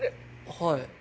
はい。